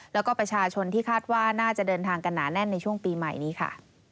แล้วก็ประชาชนที่คาดว่าน่าจะเดินทางกันหนาแน่นในช่วงปีใหม่นี้ค่ะ